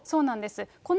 そうなんです。